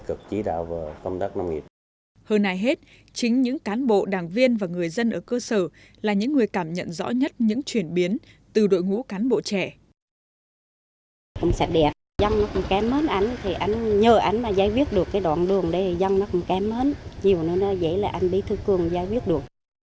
cái đoạn đường đây dân nó cũng kém hết nhiều nó dễ là anh bí thư cường giải quyết được